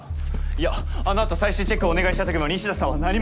いやあのあと最終チェックをお願いしたときも西田さんは何も。